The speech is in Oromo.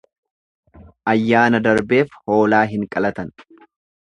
Ayyaana darbeef hoolaa hin qalatan.